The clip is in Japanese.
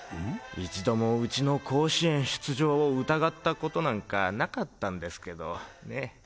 一度もうちの甲子園出場を疑ったことなんかなかったんですけどね。